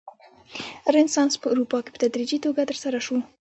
رنسانس په اروپا کې په تدریجي توګه ترسره شو.